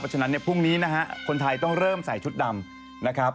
เพราะฉะนั้นพรุ่งนี้นะครับคนไทยต้องเริ่มใส่ชุดดำนะครับ